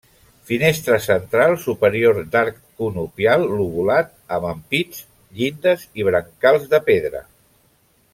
Finestra central superior d'arc conopial lobulat amb ampits, llindes i brancals de pedra.